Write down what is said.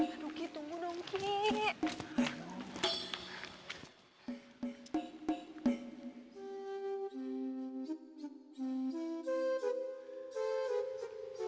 aki tunggu dong ki